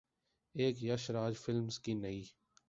ایک ’یش راج فلمز‘ کی نئی